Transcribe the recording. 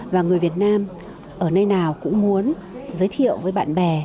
và người việt nam ở nơi nào cũng muốn giới thiệu với bạn bè